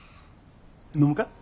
飲むか？